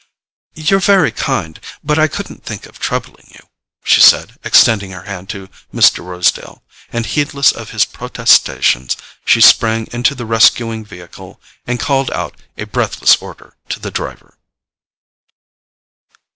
"You're very kind; but I couldn't think of troubling you," she said, extending her hand to Mr. Rosedale; and heedless of his protestations, she sprang into the rescuing vehicle, and called out a breathless order to the driver.